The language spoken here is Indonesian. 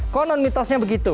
konon mitosnya begitu